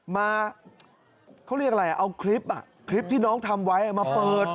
มาเขาเรียกอะไรเอาคลิปอ่ะคลิปคลิปที่น้องทำไว้มาเปิด